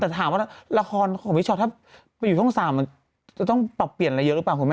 แต่ถามว่าละครของพี่ชอตถ้าไปอยู่ช่อง๓มันจะต้องปรับเปลี่ยนอะไรเยอะหรือเปล่าคุณแม่